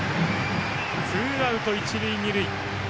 ツーアウト一塁二塁。